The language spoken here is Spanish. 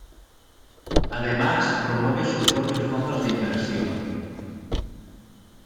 Además, promueve sus propios fondos de inversión.